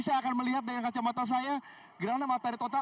saya akan melihat dengan kacamata saya gerahana matahari total